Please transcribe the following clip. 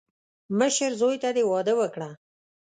مشر زوی ته دې واده وکړه.